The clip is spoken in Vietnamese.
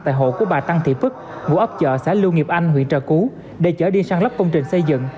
tại hộ của bà tăng thị phức ngũ ấp chợ xã lưu nghiệp anh huyện trà cú để chở đi sang lớp công trình xây dựng